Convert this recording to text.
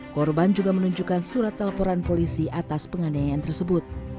korban juga menunjukkan surat teleponan polisi atas penganiayaan tersebut